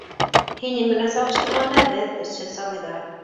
Һинең менән сағыштырғанда беҙ — көсһөҙ сабыйҙар.